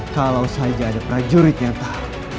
kalau saja ada prajurit yang tahu